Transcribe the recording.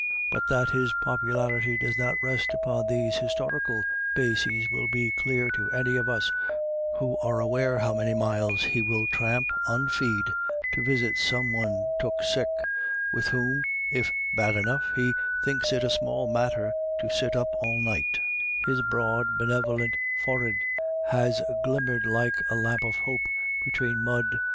But that his popularity does not rest upon these historical bases will be clear to any of us who are aware how many miles he will tramp unfee'd to visit some one "took sick," with whom, if bad enough, he thinks it a small matter to sit up all night His broad benevolent forehead has glimmered like a lamp of hope between mud 14 194 IRISH ID YLLS.